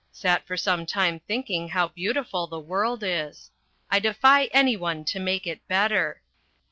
Sat for some time thinking how beautiful the world is. I defy anyone to make a better.